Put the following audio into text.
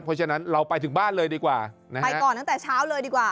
เพราะฉะนั้นเราไปถึงบ้านเลยดีกว่าไปก่อนตั้งแต่เช้าเลยดีกว่า